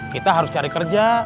kita harus cari kerja